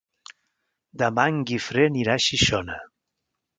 Demà en Guifré anirà a Xixona.